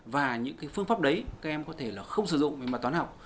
và những phương pháp đấy các em có thể không sử dụng mà toán học